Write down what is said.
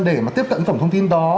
để mà tiếp cận cái tổng thông tin đó